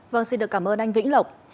vâng xin được cảm ơn anh vĩnh lộc